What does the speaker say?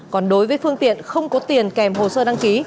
còn đối với phương tiện không có tiền kèm hồ sơ đăng ký